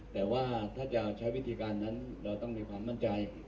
แต่ว่าถ้าจะใช้วิธีการนั้นเราต้องมีความมั่นใจ